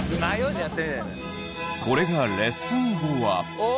これがレッスン後は。